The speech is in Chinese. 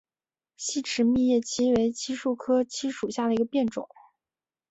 细齿密叶槭为槭树科槭属下的一个变种。